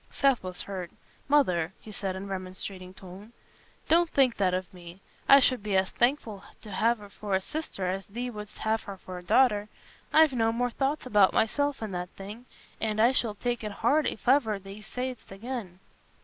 Seth was hurt. "Mother," he said, in a remonstrating tone, "don't think that of me. I should be as thankful t' have her for a sister as thee wouldst t' have her for a daughter. I've no more thoughts about myself in that thing, and I shall take it hard if ever thee say'st it again."